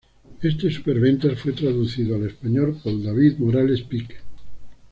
Este superventas fue traducido al español por David Morales Peake.